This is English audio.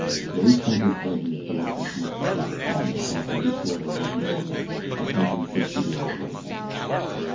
Billy turned his head in the direction from which the shot had come and saw Eddie Shorter running toward him, a smoking six shooter in his right hand.